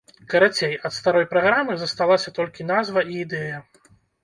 Карацей, ад старой праграмы засталася толькі назва і ідэя.